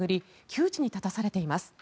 窮地に立たされています。